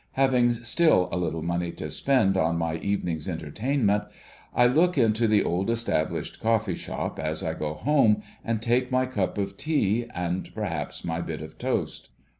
Having still a little money to spend on my evening's entertainment, I look into the old established coftee shop as I go home, and take my cup of tea, and perhaps my bit of toast.